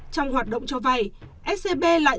trong hoạt động cho vay scb lại